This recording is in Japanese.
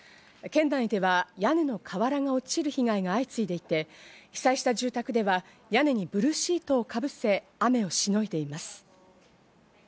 県内では屋根の瓦が落ちる被害が相次いでいて、被災した住宅では屋根にブルーシートかぶせ、雨をしのいでいます。